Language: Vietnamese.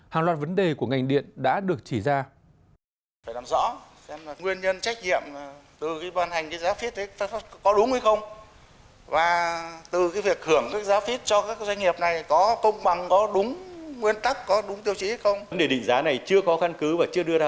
hàng loạt vấn đề của ngành điện đã được chỉ ra